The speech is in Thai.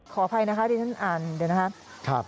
ขออภัยนะคะที่ฉันอ่านเดี๋ยวนะครับ